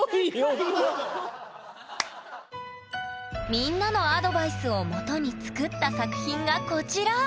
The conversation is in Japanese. みんなのアドバイスを基に作った作品がこちら！